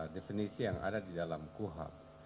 definisi yang ada di dalam kuhap